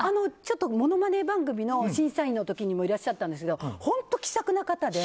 ものまね番組の審査員の時にもいらっしゃったんですけど本当、気さくな方で。